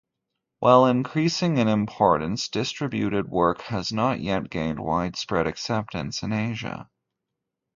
While increasing in importance, distributed work has not yet gained widespread acceptance in Asia.